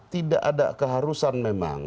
tidak ada keharusan memang